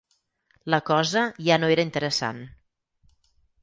La cosa ja no era interessant.